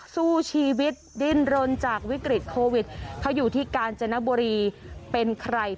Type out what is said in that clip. สู้ชีวิตดิ้นรนจากวิกฤตโควิดเขาอยู่ที่กาญจนบุรีเป็นใคร